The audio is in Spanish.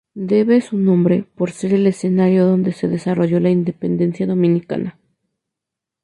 Debe su nombre por ser el escenario donde se desarrolló la independencia dominicana.